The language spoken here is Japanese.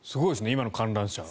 今の観覧車。